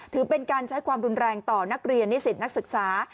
ถือเป็นการใช้ความรุนแรงต่อนักเรียนนิสิตนักศึกษา